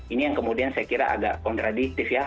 ini yang kemudian saya kira agak kontradiktif ya